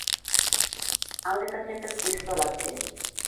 আমাদের কাছে একটা পিস্তল আছে।